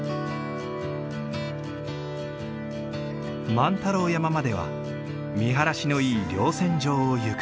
万太郎山までは見晴らしのいい稜線上を行く。